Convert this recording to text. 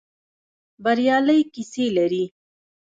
بریالۍ کيسې لري.